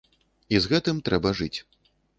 І з гэтым трэба жыць.